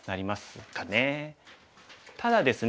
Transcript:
ただですね